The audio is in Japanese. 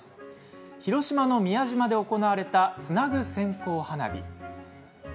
広島の宮島で行われたつなぐ線香花火。